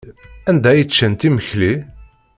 Anda ay ččant imekli?